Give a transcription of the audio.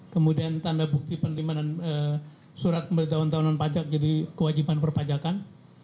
kemudian tanda bukti penerimaan surat pemberitahuan tahunan pajak jadi kewajiban perpajakan